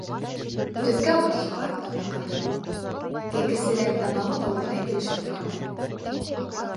Төҫкә-башҡа таҙа ҡатын, кәкесерәк танауы ла үҙенә килешеп торғандай.